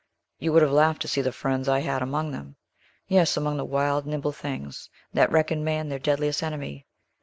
You would have laughed to see the friends I had among them; yes, among the wild, nimble things, that reckon man their deadliest enemy!